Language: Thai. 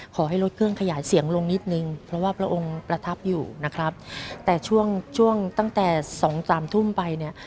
ขอให้ลดเครื่องขยายเสียงลงนิดนึงเพราะว่าพระองค์ประทับอยู่นะครับแต่ช่วงช่วงตั้งแต่สองสามทุ่มไปเนี่ย